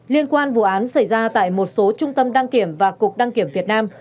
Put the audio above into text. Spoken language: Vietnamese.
liên quan vụ án xảy ra tại một số trung tâm đăng kiểm và cục đăng kiểm việt nam